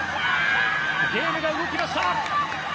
ゲームが動きました！